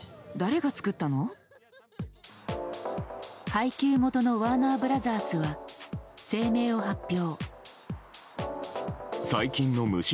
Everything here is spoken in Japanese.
配給元のワーナー・ブラザースは声明を発表。